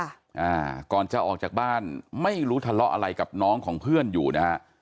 อ่าก่อนจะออกจากบ้านไม่รู้ทะเลาะอะไรกับน้องของเพื่อนอยู่นะฮะ